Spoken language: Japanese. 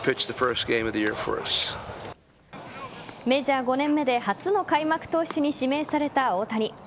メジャー５年目で初の開幕投手に指名された大谷。